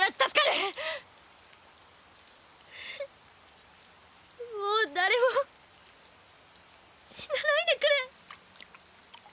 うぅもう誰も死なないでくれ。